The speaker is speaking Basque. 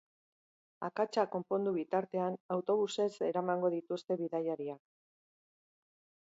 Akatsa konpondu bitartean autobusez eramango dituzte bidaiariak.